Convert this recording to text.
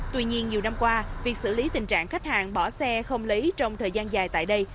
tuy nhiên nhiều năm qua việc xử lý tình trạng khách hàng bỏ xe không lấy trong thời gian dài tại đây